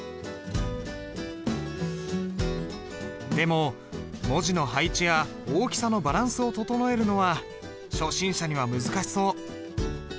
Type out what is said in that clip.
でも文字の配置や大きさのバランスを整えるのは初心者には難しそう。